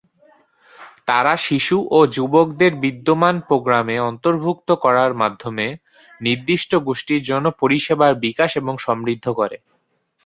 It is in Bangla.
তারা শিশু ও যুবকদের বিদ্যমান প্রোগ্রামে অন্তর্ভুক্ত করার মাধ্যমে নির্দিষ্ট গোষ্ঠীর জন্য পরিষেবার বিকাশ এবং সমৃদ্ধ করে।